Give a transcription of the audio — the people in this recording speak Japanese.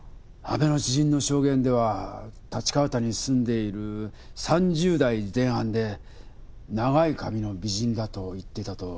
阿部の知人の証言では立川辺りに住んでいる３０代前半で長い髪の美人だと言っていたと。